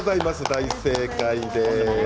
大正解です。